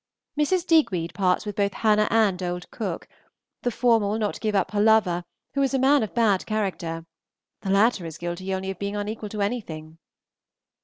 Mrs. Digweed parts with both Hannah and old cook: the former will not give up her lover, who is a man of bad character; the latter is guilty only of being unequal to anything.